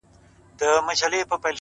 • شعرونه نور ورته هيڅ مه ليكه ـ